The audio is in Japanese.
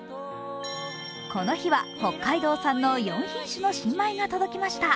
この日は、北海道産の４品種の新米が届きました。